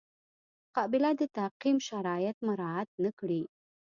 قابله د تعقیم شرایط مراعات نه کړي.